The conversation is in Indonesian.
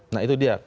nah itu dia